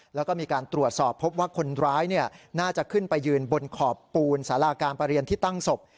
แล้วก็มีการตรวจสอบพบว่าคนร้ายน่าจะขึ้นไปยืนบนขอบปูนสาราการประเรียนที่ตั้งศพ